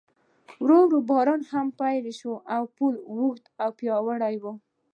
ورو ورو باران هم پیل شو، پل اوږد او پیاوړی و.